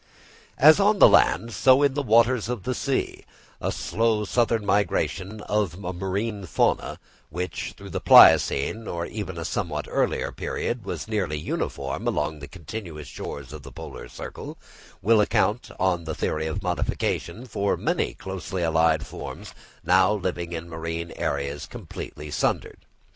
As on the land, so in the waters of the sea, a slow southern migration of a marine fauna, which, during the Pliocene or even a somewhat earlier period, was nearly uniform along the continuous shores of the Polar Circle, will account, on the theory of modification, for many closely allied forms now living in marine areas completely sundered.